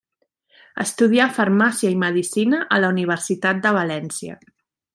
Estudià farmàcia i medicina a la Universitat de València.